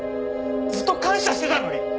ずっと感謝してたのに！